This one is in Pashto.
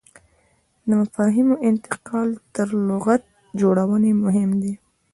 د مفاهیمو انتقال تر لغت جوړونې مهم دی.